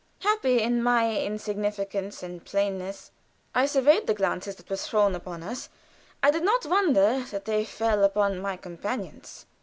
Happy in my insignificance and plainness, I survived the glances that were thrown upon us; I did not wonder that they fell upon my companions.